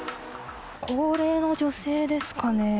高齢の女性ですかね。